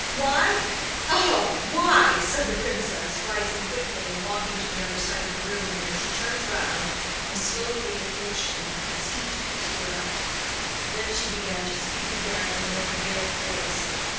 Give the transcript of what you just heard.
"Why?—ah, why?" said the Princess, rising quickly and walking to the other side of the room, where she turned round and slowly approached him, as he, too, stood up. Then she began to speak again in a more veiled voice.